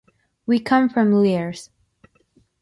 We come from Llers.